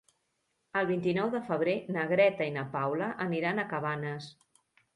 El vint-i-nou de febrer na Greta i na Paula aniran a Cabanes.